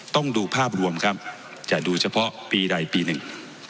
ต้องดูภาพรวมครับจะดูเฉพาะปีใดปีหนึ่ง